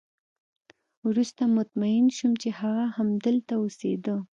وروسته مطمئن شوم چې هغه همدلته اوسېده